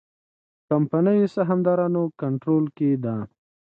کمپنیو سهامدارانو کنټرول کې ده.